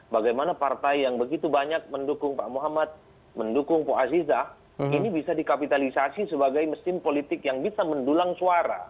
bagaimana partai yang begitu banyak mendukung pak muhammad mendukung pak azizah ini bisa dikapitalisasi sebagai mesin politik yang bisa mendulang suara